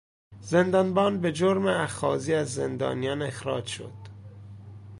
زندانبان به جرم اخاذی از زندانیان اخراج شد.